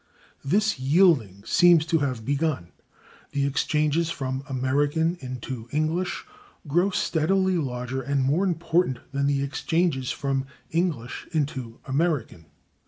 This yielding seems to have begun; the exchanges from [Pg318] American into English grow steadily larger and more important than the exchanges from English into American.